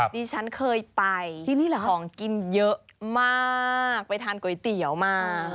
นี่ฉันเคยไปของกินเยอะมากไปทานก๋วยเตี๋ยวมาก